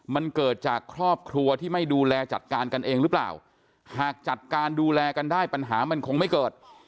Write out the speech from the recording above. มันเกิดจากครอบครัวที่ไม่ดูแลจัดการกันเองหรือเปล่าหากจัดการดูแลกันได้ปัญหามันคงไม่เกิด